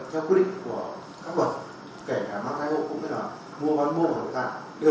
theo quy định của